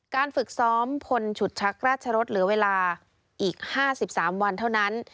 การฝึกซ้อมพลฉุดชักราชรสเหลือเวลาอีก๕๓วันเท่านั้น